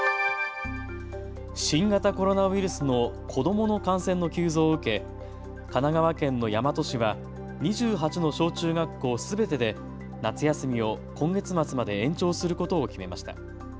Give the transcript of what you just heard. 新型コロナウイルスの子どもの感染の急増を受け神奈川県の大和市は２８の小中学校すべてで夏休みを今月末まで延長することを決めました。